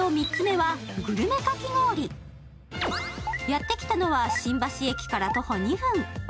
やってきたのは新橋駅から徒歩２分。